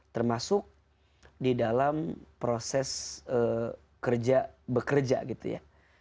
termasuk di dalam proses kerja bekerja gitu ya